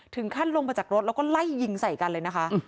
ถึงขั้นลงไปจากรถแล้วก็ไล่ยิงใส่กันเลยน้ะค่ะ